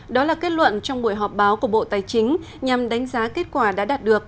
đó là kết luận trong buổi họp báo của bộ tài chính nhằm đánh giá kết quả đã đạt được